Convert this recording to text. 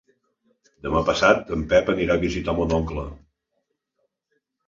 Demà passat en Pep anirà a visitar mon oncle.